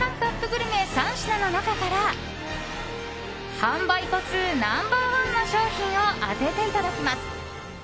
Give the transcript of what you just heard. グルメ３品の中から販売個数ナンバー１の商品を当てていただきます。